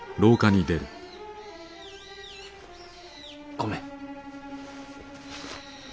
御免。